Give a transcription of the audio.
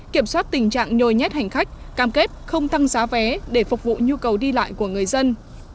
kiểm soát tình trạng nhồi nhét hành khách cam kết không tăng giá vé để phục vụ nhu cầu đi lại của người dân